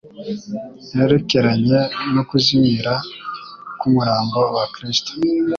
yerekeranye no kuzimira k'umurambo wa Kristo,